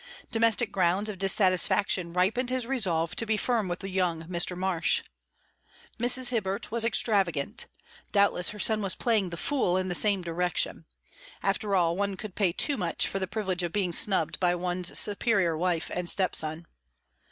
Domestic grounds of dissatisfaction ripened his resolve to be firm with young Mr. Marsh. Mrs. Hibbert was extravagant; doubtless her son was playing the fool in the same direction. After all, one could pay too much for the privilege of being snubbed by one's superior wife and step son.